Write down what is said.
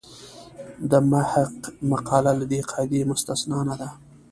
د محق مقاله له دې قاعدې مستثنا نه ده.